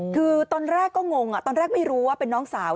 คือตอนแรกก็งงตอนแรกไม่รู้ว่าเป็นน้องสาว